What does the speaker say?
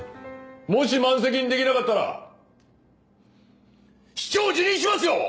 もし満席にできなかったら市長を辞任しますよ！